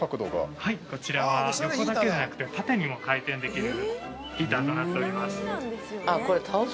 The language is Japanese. ◆はい、こちらは横だけでなくて縦にも回転できるヒーターとなっております。